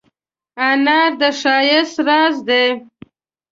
انار د ښایست راز دی.